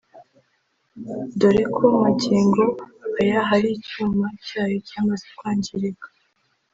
dore ko magingo aya hari icyuma cyayo cyamaze kwangirika